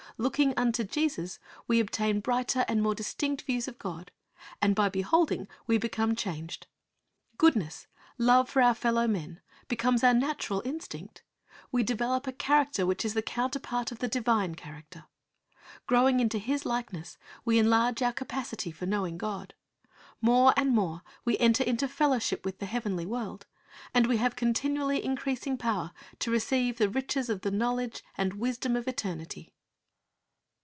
Looking unto Jesus we obtain brighter and more distinct views of God, and by beholding we become changed. Goodness, love for our fellow men, becomes our natural iiistinct. We develop a character which is the counterpart of the divine character. Growing into His likeness, we enlarge our capacity for knowing God. More and more we enter into fellowship with the heavenly world, and we have continually increasing power to receive the riches of the knowledge and wisdom of eternity.